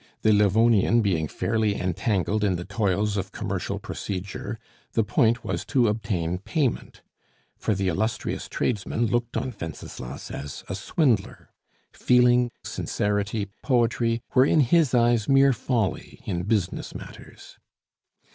The Livonian being fairly entangled in the toils of commercial procedure, the point was to obtain payment; for the illustrious tradesman looked on Wenceslas as a swindler. Feeling, sincerity, poetry, were in his eyes mere folly in business matters.